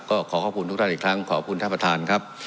ก็ขอขอบคุณทุกท่านอีกครั้งขอบคุณท่านประธานครับ